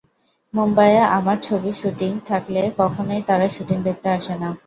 মুম্বাইয়ে আমার ছবির শুটিং থাকলে কখনোই তারা শুটিং দেখতে আসে না।